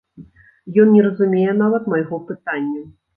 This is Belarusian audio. Ён не разумее нават майго пытання!